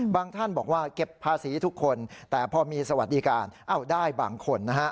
ท่านบอกว่าเก็บภาษีทุกคนแต่พอมีสวัสดิการได้บางคนนะฮะ